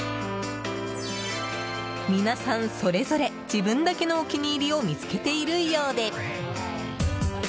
皆さん、それぞれ自分だけのお気に入りを見つけているようで。